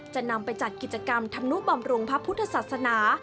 จะนำไปจัดกิจกรรมธรรมนุบำรุงพระพุทธศาสนา